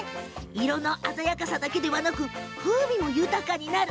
色の鮮やかさだけではなく風味も豊かになる。